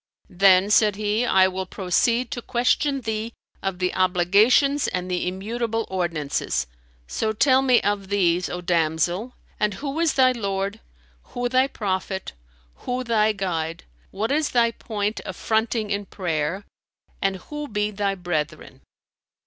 "Then," said he, "I will proceed to question thee of the obligations and the immutable ordinances: so tell me of these, O damsel, and who is thy Lord, who thy prophet, who thy Guide, what is thy point of fronting in prayer, and who be thy brethren?